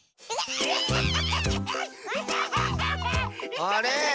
あれ？